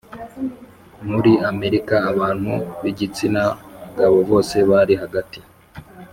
Muri Amerika abantu bigitsina gabo bose bari hagati